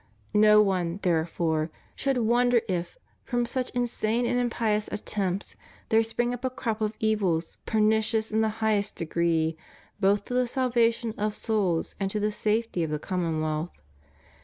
No one, therefore, should wonder if from such insane and impious attempts there spring up a crop of evils pernicious in the highest degree both to the salvation of souls and to the safety of the commonwealth.